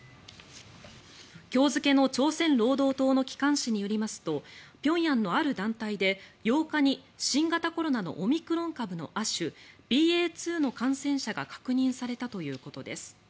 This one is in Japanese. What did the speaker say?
今日付の朝鮮労働党の機関紙によりますと平壌の、ある団体で８日に新型コロナのオミクロン株の亜種ＢＡ．２の感染者が確認されたということです。